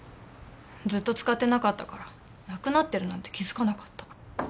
ずっと使ってなかったからなくなってるなんて気付かなかった。